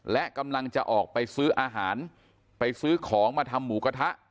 และกำลังจะออกไปซื้ออาหารไปซื้อของมาทำหมูกระทะ